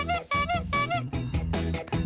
จนนี่ไปสายหนิม